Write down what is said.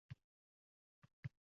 yerning «ega»si bor.